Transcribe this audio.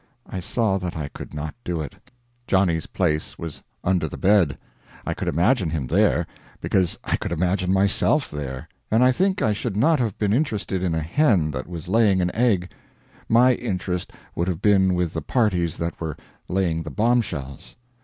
I saw that I could not do it. Johnny's place was under the bed. I could imagine him there, because I could imagine myself there; and I think I should not have been interested in a hen that was laying an egg; my interest would have been with the parties that were laying the bombshells.